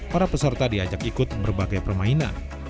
para peserta diajak ikut berbagai permainan